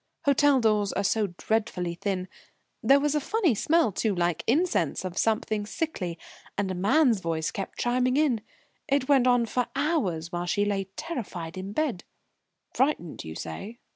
Hotel doors are so dreadfully thin. There was a funny smell too, like incense of something sickly, and a man's voice kept chiming in. It went on for hours, while she lay terrified in bed " "Frightened, you say?"